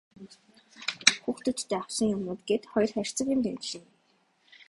Хүүхдүүддээ авсан юмнууд гээд хоёр хайрцаг юм байнлээ.